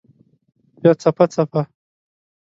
بیا څپه، څپه